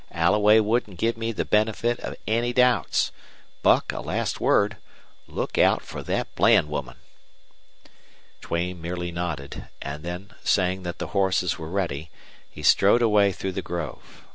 Alloway wouldn't give me the benefit of any doubts. Buck, a last word look out fer thet Bland woman!" Duane merely nodded, and then, saying that the horses were ready, he strode away through the grove.